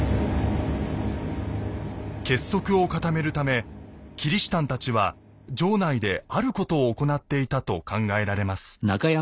結束を固めるためキリシタンたちは城内であることを行っていたと考えられます。